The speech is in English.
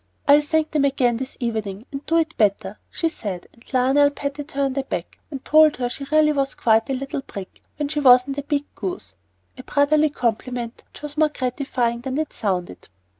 "I'll thank them again this evening and do it better," she said; and Lionel patted her back, and told her she really was quite a little brick when she wasn't a big goose, a brotherly compliment which was more gratifying than it sounded.